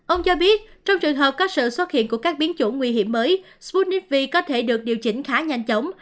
ông cho biết trong trường hợp có sự xuất hiện của các biến chủ nguy hiểm mới sputnif v có thể được điều chỉnh khá nhanh chóng